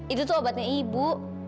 itu tuh obatnya ibu